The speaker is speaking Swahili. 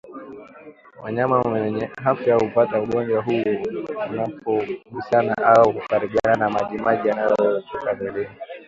Wanyama wenye afya hupata ugonjwa huu wanapogusana au kukaribiana na majimaji yanayotoka mwilini